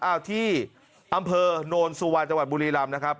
เอาที่อำเภอโนนสุวรรณจังหวัดบุรีรำนะครับ